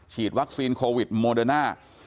ฉีดวัคซีนโควิดโมเดอร์น่า